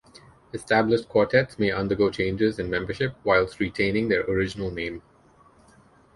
Established quartets may undergo changes in membership whilst retaining their original name.